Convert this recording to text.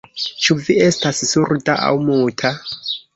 Ĉu vi estas surda aŭ muta?